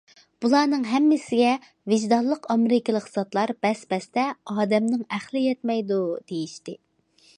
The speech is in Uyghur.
بۇلارنىڭ ھەممىسىگە ۋىجدانلىق ئامېرىكىلىق زاتلار بەس- بەستە« ئادەمنىڭ ئەقلى يەتمەيدۇ» دېيىشتى.